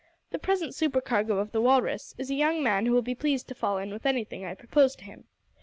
The present supercargo of the Walrus is a young man who will be pleased to fall in with anything I propose to him.